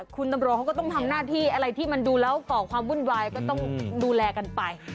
คุณตำรวจเขาก็ต้องทำหน้าที่อะไรที่มันดูแล้วก่อความวุ่นวายก็ต้องดูแลกันไป